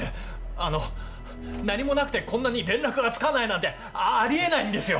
あの何もなくてこんなに連絡がつかないなんてあり得ないんですよ！